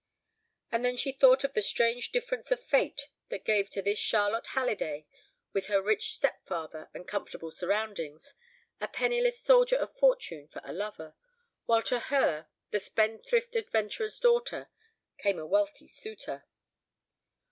And then she thought of the strange difference of fate that gave to this Charlotte Halliday, with her rich stepfather and comfortable surroundings, a penniless soldier of fortune for a lover, while to her, the spendthrift adventurer's daughter, came a wealthy suitor.